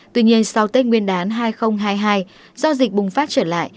tuy nhiên sau tết nguyên đán hai nghìn hai mươi hai do dịch bùng phát trở lại